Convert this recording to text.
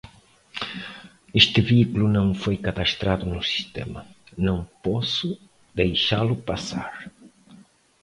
Este veículo não foi cadastrado no sistema, não posso deixá-lo passar.